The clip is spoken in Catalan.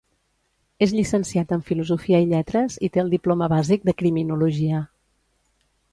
És llicenciat en filosofia i lletres i té el diploma bàsic de criminologia.